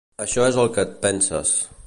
Això no és el que et penses.